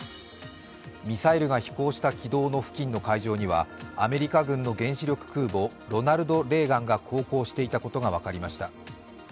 ミサイルが飛行した軌道の付近の海上にはアメリカ軍の原子力空母「ロナルド・レーガン」が航行していたことが分かりました。